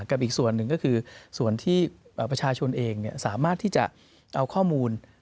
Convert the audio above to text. อีกส่วนหนึ่งก็คือส่วนที่ประชาชนเองสามารถที่จะเอาข้อมูล